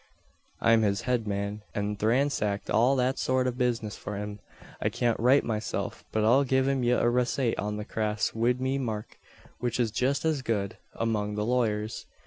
I'm his head man, an thransact all that sort av bizness for him. I cyant write myself, but I'll give ye a resate on the crass wid me mark which is jist as good, among the lawyers.